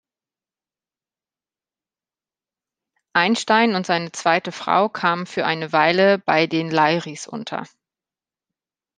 Einstein und seine zweite Frau kamen für eine Weile bei den Leiris unter.